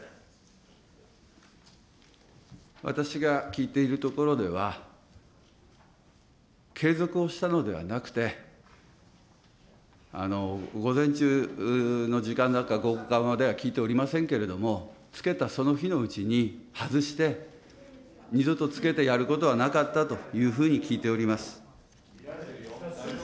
私が聞いているところでは、継続をしたのではなくて、午前中の時間か、午後かまでは聞いておりませんけれども、つけたその日のうちに外して、二度とつけてやることはなかったというふうに聞いております。